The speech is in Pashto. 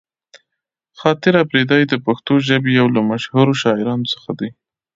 خاطر اپريدی د پښتو ژبې يو له مشهورو شاعرانو څخه دې.